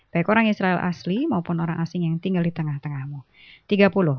baik orang israel asli maupun orang asing yang tinggal di tengah tengahmu